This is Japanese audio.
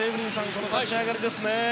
この立ち上がりですね。